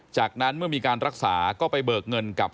จากนั้นเมื่อมีการรักษาก็ไปเบิกเงินกับ